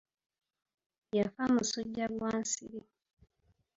Yafa musujja gwa nsiri.